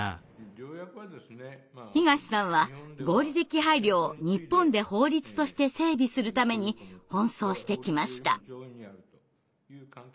東さんは合理的配慮を日本で法律として整備するために奔走してきました。